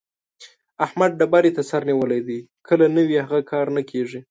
احمد ډبرې ته سر نيولی دی؛ که نه وي هغه کار نه کېږي.